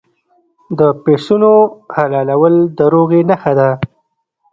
د پسونو حلالول د روغې نښه ده.